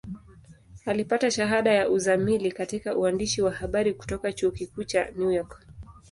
Alipata shahada ya uzamili katika uandishi wa habari kutoka Chuo Kikuu cha New York.